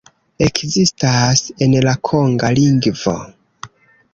Ekzistas en la konga lingvo.